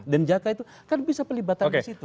denjaka itu kan bisa pelibatan disitu